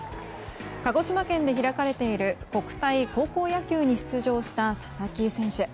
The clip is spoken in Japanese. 鹿児島県で開かれている国体高校野球に出場した佐々木選手。